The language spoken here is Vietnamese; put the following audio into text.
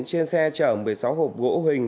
trên xe chở một mươi sáu hộp gỗ hình